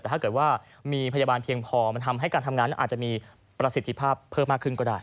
แต่ถ้าเกิดว่ามีพยาบาลเพียงพอมันทำให้การทำงานนั้นอาจจะมีประสิทธิภาพเพิ่มมากขึ้นก็ได้